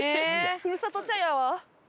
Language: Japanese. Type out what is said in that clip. ふるさと茶屋は？